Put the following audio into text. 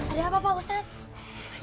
ada apa pak ustadz